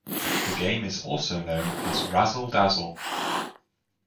The game is also known as Razzle-Dazzle.